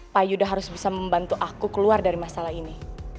pak yuda harus bisa membantu aku keluar dari masalah ini